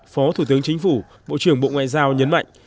phó thủ tướng chính phủ bộ trưởng bộ ngoại giao nhấn mạnh